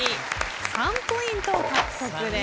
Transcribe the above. ３ポイント獲得です。